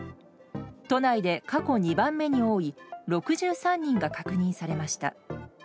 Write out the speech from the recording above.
都内で過去２番目に多い６３人が確認されました。